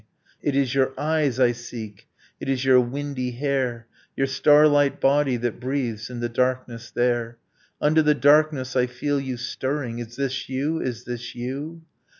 It is your eyes I seek, it is your windy hair, Your starlight body that breathes in the darkness there. Under the darkness I feel you stirring. ... Is this you? Is this you?